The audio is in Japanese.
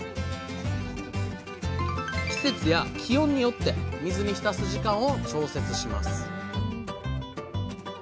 季節や気温によって水に浸す時間を調節します